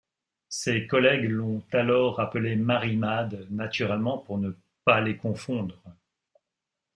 Ses collègues l’ont alors appelé Marie Mad naturellement pour ne pas les confondre.